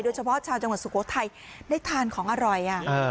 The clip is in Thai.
เฉพาะชาวจังหวัดสุโขทัยได้ทานของอร่อย